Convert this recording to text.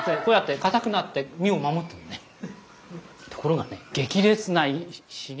ところがね激烈な刺激。